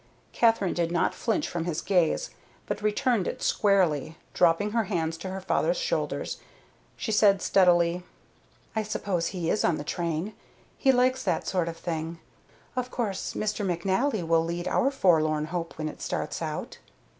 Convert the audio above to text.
Katherine did not flinch from his gaze, but returned it squarely. Dropping her hands to her father's shoulders, she said steadily: "I suppose he is on the train. He likes that sort of thing. Of course Mr. McNally will lead our forlorn hope when it starts out."